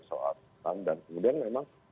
soal dan kemudian memang